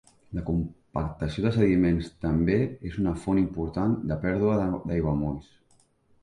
La compactació de sediments també és una font important de pèrdua d'aiguamolls.